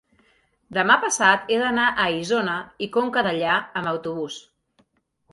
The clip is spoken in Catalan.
demà passat he d'anar a Isona i Conca Dellà amb autobús.